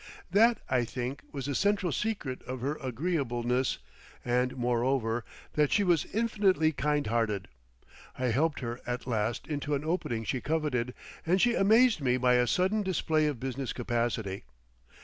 That, I think, was the central secret of her agreeableness, and, moreover, that she was infinitely kind hearted. I helped her at last into an opening she coveted, and she amazed me by a sudden display of business capacity.